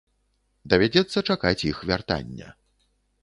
Давядзецца чакаць іх вяртання.